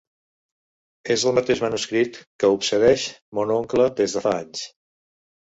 És el mateix manuscrit que obsedeix mon oncle des de fa anys.